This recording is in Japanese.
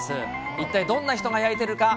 一体どんな人が焼いているか。